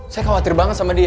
saya khawatir banget sama dia